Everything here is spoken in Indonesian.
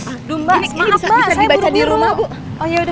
aduh mbak maaf mbak saya buru buru